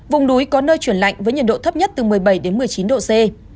vùng núi có nơi chuyển lạnh với nhiệt độ thấp nhất từ một mươi bảy một mươi chín độ c